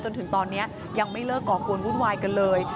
จนถึงตอนนี้ยังไม่เลิกก่อกวนวุ่นวายกันเลย